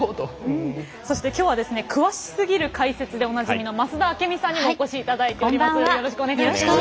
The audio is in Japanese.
そしてきょうはですね詳しすぎる解説でおなじみの増田明美さんにお越しいただいています。